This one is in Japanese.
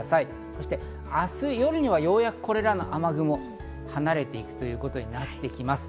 そして明日夜にはようやくこれらの雨雲、離れていくということになってきます。